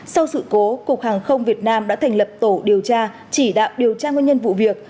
sau sự cố cục hàng không việt nam đã thành lập tổ điều tra chỉ đạo điều tra nguyên nhân vụ việc